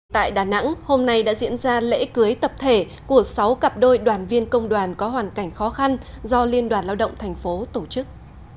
tại đà nẵng hôm nay đã diễn ra lễ cưới tập thể của sáu cặp đôi đoàn viên công đoàn có hoàn cảnh khó khăn do liên đoàn lao động thành phố tổ chức